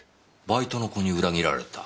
バイトの子に裏切られた？